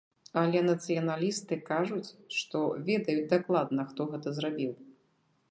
Але нацыяналісты кажуць, што ведаюць дакладна, хто гэта зрабіў.